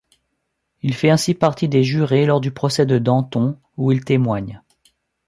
Il fait ainsi partie des jurés lors du procès de Danton, où il témoigne.